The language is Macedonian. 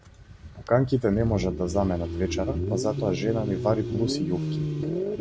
Пуканките не можат да заменат вечера, па затоа жена ми вари плус и јуфки.